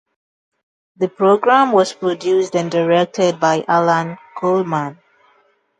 The programme was produced and directed by Alan Coleman.